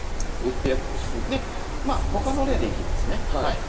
まあ他の例でいきますね。